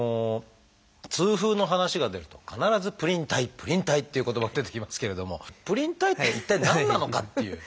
痛風の話が出ると必ず「プリン体」「プリン体」っていう言葉出てきますけれどもプリン体って一体何なのかっていう。